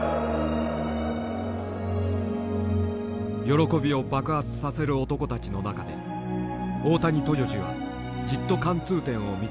喜びを爆発させる男たちの中で大谷豊二はじっと貫通点を見つめていた。